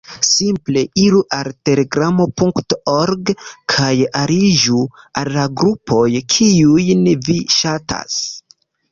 Simple iru al telegramo.org kaj aliĝu al la grupoj, kiujn vi ŝatas.